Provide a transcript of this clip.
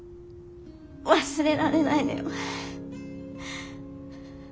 忘れられないのよ。